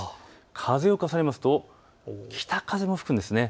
風を重ねると北風が吹くんです。